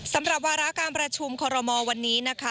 สำหรับวาระการประชุมคอรมอลวันนี้นะคะ